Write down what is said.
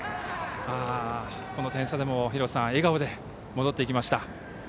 この点差でも笑顔で戻っていきました。